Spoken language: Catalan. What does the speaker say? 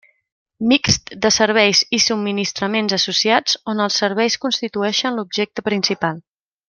Mixt de serveis i subministraments associats on els serveis constitueixen l'objecte principal.